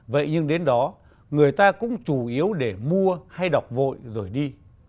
vậy nhưng đến đó người ta cũng chủ yếu để mua hay đọc vội rồi đi